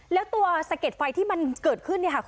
แล้วตัวสะเก็ดไฟที่มันเกิดขึ้น